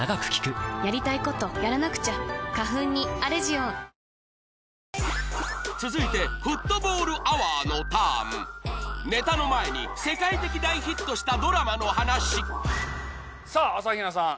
テンテンスリーって与作・与作はーい！続いてフットボールアワーのターンネタの前に世界的大ヒットしたドラマの話さぁ朝比奈さん